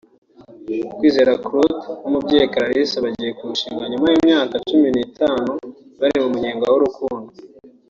Kwizigira Claude na Umubyeyi Clarisse bagiye kurushinga nyuma y’imyaka cumi n’itanu bari mu munyenga w’urukundo